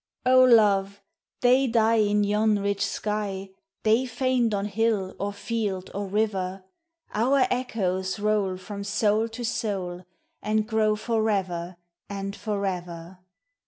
O love, they die in yon rich sky, They faint on hill or field or river; Our echoes roll from soul to soul, And grow forever and forever.